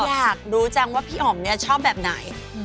อยากรู้จังว่าพี่อ๋อมเนี่ยชอบแบบไหน